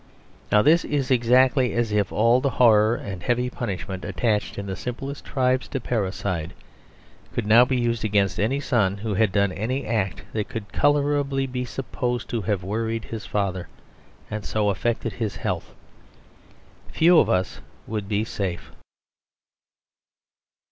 Now this is exactly as if all the horror and heavy punishment, attached in the simplest tribes to parricide, could now be used against any son who had done any act that could colourably be supposed to have worried his father, and so affected his health. Few of us would be safe.